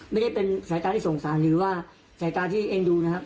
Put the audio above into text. ไม่ได้เป็นสายตาที่สงสารหรือว่าสายตาที่เอ็นดูนะครับ